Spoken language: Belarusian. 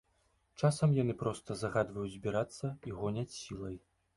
Часам яны проста загадваюць збірацца і гоняць сілай.